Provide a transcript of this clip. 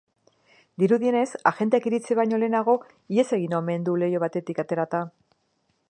Dirudienez, agenteak iritsi baino lehenago ihes egin omen du leiho batetik aterata.